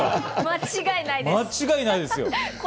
間違いないですよ。